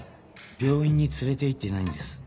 病院に連れて行ってないんです。